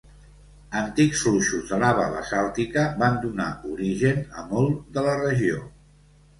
Antics fluixos de lava basàltica van donar origen a molt de la regió.